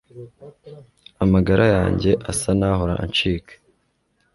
amagara yanjye asa nahora ancika